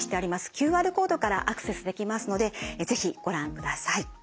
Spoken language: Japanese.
ＱＲコードからアクセスできますので是非ご覧ください。